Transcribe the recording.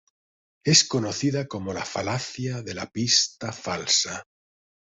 Es conocida como falacia de la pista falsa.